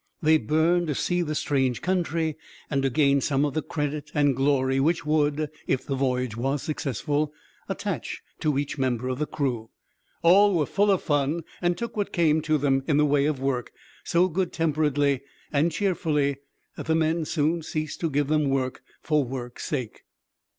They burned to see the strange country, and to gain some of the credit and glory which would, if the voyage was successful, attach to each member of the crew. All were full of fun, and took what came to them, in the way of work, so good temperedly and cheerfully, that the men soon ceased to give them work for work's sake.